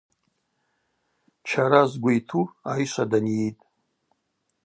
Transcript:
Чара згвы йту айшва данйитӏ.